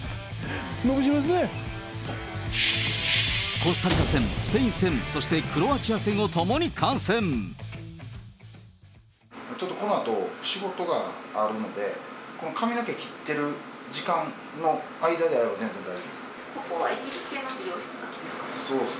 コスタリカ戦、スペイン戦、ちょっとこのあと、仕事があるので、この髪の毛切ってる時間の間であれば全然大丈夫です。